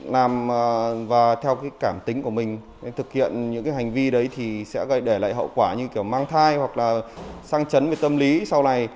làm và theo cái cảm tính của mình thực hiện những cái hành vi đấy thì sẽ để lại hậu quả như kiểu mang thai hoặc là sang chấn về tâm lý sau này